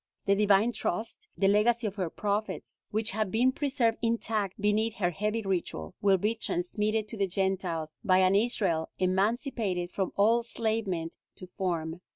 The divine trust, the legacy of her prophets, which has been preserved intact beneath her heavy ritual, will be transmitted to the Gentiles by an Israel emancipated from all enslavement to form.